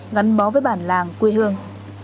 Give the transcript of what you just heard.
ngắn bó với bản làng quê hương